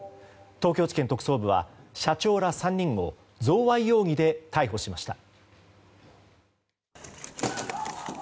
東京地検特捜部は社長ら３人を贈賄容疑で逮捕しました。